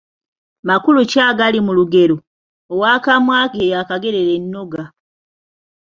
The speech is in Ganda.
Makulu ki agali mu lugero ‘Ow’akamwa ke yakagerera ennoga'?